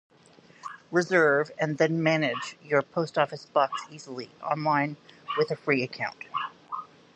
Reserve and then manage your Post Office Box easily online with a free account.